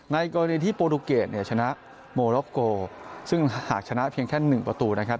กรณีที่โปรตูเกตเนี่ยชนะโมล็อกโกซึ่งหากชนะเพียงแค่๑ประตูนะครับ